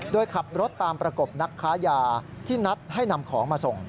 โดยขับรถตามประกบนักค้ายาที่นัดให้นำของมาส่ง